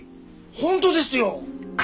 本当ですよ！